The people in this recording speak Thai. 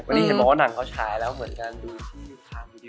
วันนี้เห็นบอกว่าหนังเขาฉายแล้วเหมือนกันดูที่ขามันเยอะ